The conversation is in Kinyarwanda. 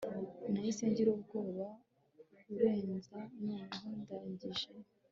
nahise ngira ubwoba kurenza noneho ndangije